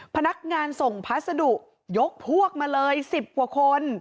พนักงานส่งพัสดุยกพวกมาเลย๑๐กว่าคน